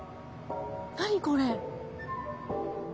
何これ？